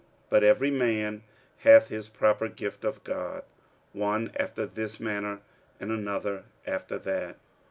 But every man hath his proper gift of God, one after this manner, and another after that.